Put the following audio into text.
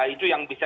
itu yang bisa